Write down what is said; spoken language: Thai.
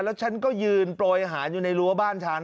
แล้วฉันก็ยืนโปรยอาหารอยู่ในรั้วบ้านฉัน